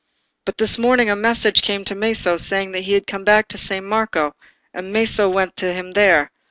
But this morning a message came to Maso, saying that he was come back to San Marco, and Maso went to him there.